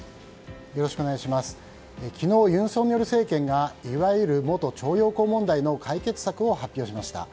昨日、尹錫悦政権がいわゆる元徴用工問題の解決策を発表しました。